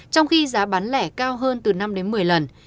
trong khi giá bán lẻ cao hơn từ năm đến một mươi lần